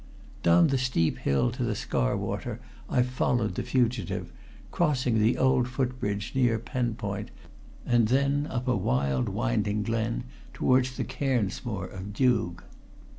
Down the steep hill to the Scarwater I followed the fugitive, crossing the old footbridge near Penpont, and then up a wild winding glen towards the Cairnsmore of Deugh.